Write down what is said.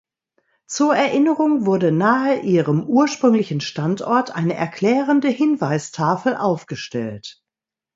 Zur Erinnerung wurde nahe ihrem ursprünglichen Standort eine erklärende Hinweistafel aufgestellt.